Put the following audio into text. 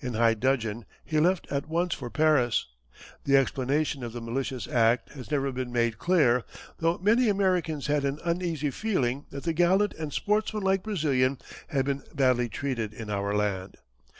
In high dudgeon he left at once for Paris. The explanation of the malicious act has never been made clear, though many Americans had an uneasy feeling that the gallant and sportsman like Brazilian had been badly treated in our land.